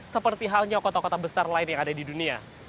seperti halnya kota kota besar lain yang ada di dunia